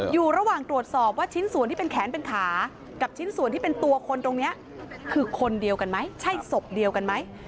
อยู่ระหว่างตรวจสอบว่าชิ้นส่วนที่เป็นแขนเป็นขากับชิ้นส่วนที่เป็นตัวคนตรงนี้คือคนเดียวกันไหมใช่ศพเดียวกันไหม